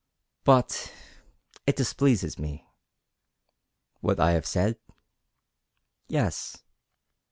"But it displeases me." "What I have said?" "Yes."